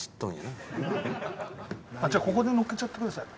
じゃあここでのっけちゃってください。